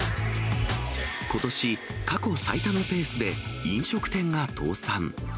ことし、過去最多のペースで飲食店が倒産。